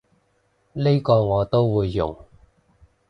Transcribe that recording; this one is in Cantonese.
呢個我都會用